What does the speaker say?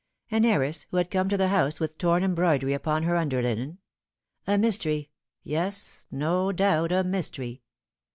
An heiress who had come to the house with torn embroidery upon her under linen. A mystery yes, no doubt a mystery.